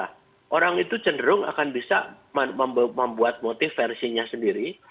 karena orang itu cenderung akan bisa membuat motif versinya sendiri